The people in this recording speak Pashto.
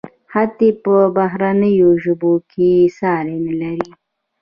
حتی په بهرنیو ژبو کې ساری نلري.